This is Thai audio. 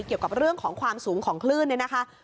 เกี่ยวกับเรื่องของความสูงของคลื่นเนี่ยนะคะ